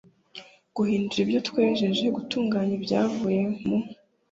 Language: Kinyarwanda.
guhindura ibyo twejeje gutunganya ibyavuye mu